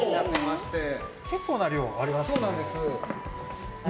結構な量ありますね。